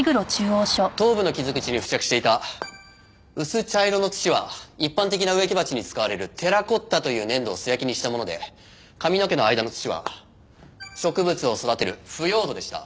頭部の傷口に付着していた薄茶色の土は一般的な植木鉢に使われるテラコッタという粘土を素焼きにしたもので髪の毛の間の土は植物を育てる腐葉土でした。